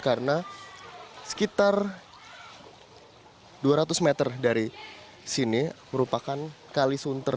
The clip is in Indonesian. karena sekitar dua ratus meter dari sini merupakan kali sunter